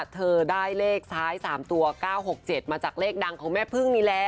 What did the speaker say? เธอได้เลขท้าย๓ตัว๙๖๗มาจากเลขดังของแม่พึ่งนี่แหละ